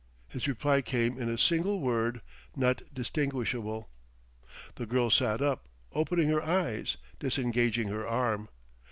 His reply came in a single word, not distinguishable. The girl sat up, opening her eyes, disengaging her arm.